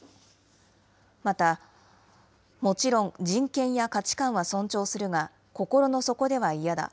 またもちろん人権や価値観は尊重するが、心の底では嫌だ。